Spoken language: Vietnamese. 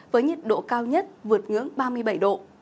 với nhiệt độ cao nhất vượt ngưỡng ba mươi bảy độ